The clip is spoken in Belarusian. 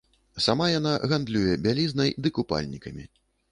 Сама яна гандлюе бялізнай ды купальнікамі.